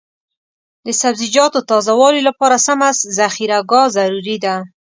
د سبزیجاتو تازه والي لپاره سمه ذخیره ګاه ضروري ده.